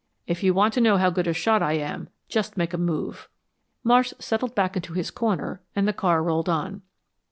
If you want to know how good a shot I am, just make a move." Marsh settled back into his corner and the car rolled on.